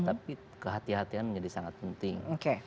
tapi kehati hatian menjadi sangat penting